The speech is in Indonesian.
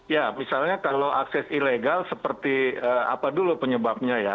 ya misalnya kalau akses ilegal seperti apa dulu penyebabnya ya